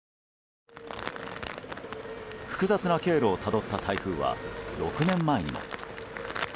複雑な経路をたどった台風は６年前にも。